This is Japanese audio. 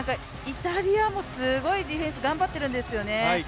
イタリアもすごいディフェンス頑張ってるんですよね。